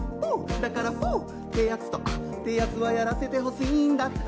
だからポーッてやつとアッというやつはやらせてほしいんだ。